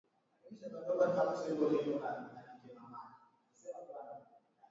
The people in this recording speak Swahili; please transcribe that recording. Msemaji alisema chama chake hakijafurahishwa na upendeleo wa tume ya uchaguzi wa Zimbabwe